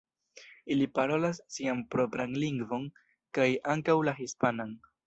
Ili parolas sian propran lingvon kaj ankaŭ la hispanan.